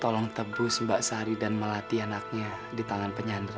tolong tebus mbak sari dan melatih anaknya di tangan penyandra